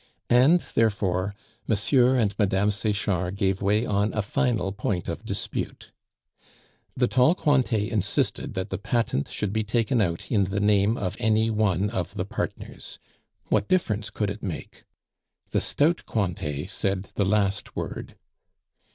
And, therefore, M. and Mme. Sechard gave way on a final point of dispute. The tall Cointet insisted that the patent should be taken out in the name of any one of the partners. What difference could it make? The stout Cointet said the last word.